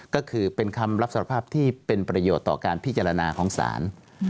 ก็คือเป็นคำรับสารภาพที่เป็นประโยชน์ต่อการพิจารณาของศาล